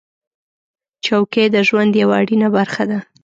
چوکۍ د ژوند یوه اړینه برخه ده.